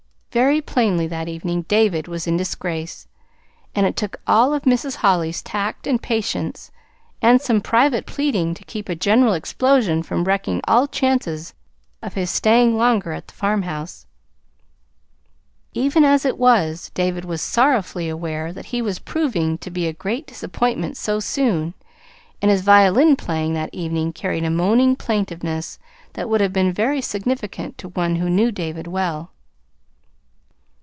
Very plainly, that evening, David was in disgrace, and it took all of Mrs. Holly's tact and patience, and some private pleading, to keep a general explosion from wrecking all chances of his staying longer at the farmhouse. Even as it was, David was sorrowfully aware that he was proving to be a great disappointment so soon, and his violin playing that evening carried a moaning plaintiveness that would have been very significant to one who knew David well.